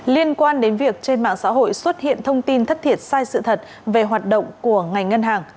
liên quan đến việc trên mạng xã hội xuất hiện thông tin thất thiệt sai sự thật về hoạt động của ngành ngân hàng